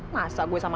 masa gua sama dia